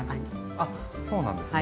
あそうなんですね。